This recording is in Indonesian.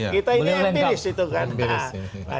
kita ini empiris itu kan